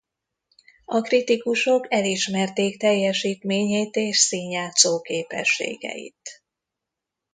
A kritikusok elismerték teljesítményét és színjátszó képességeit.